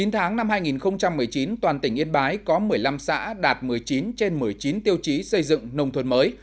chín tháng năm hai nghìn một mươi chín toàn tỉnh yên bái có một mươi năm xã đạt một mươi chín trên một mươi chín tiêu chí xây dựng nông thôn mới